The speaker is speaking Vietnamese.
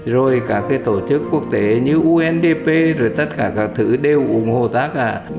rồi các tổ chức quốc tế như undp rồi tất cả các thứ đều ủng hộ ta cả